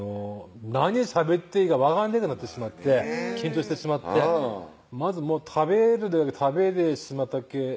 何しゃべっていいか分かんねくなってしまって緊張してしまってまず食べるだけ食べてしまったっけ